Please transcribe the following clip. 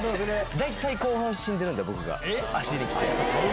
大体後半死んでるんで僕が足に来て。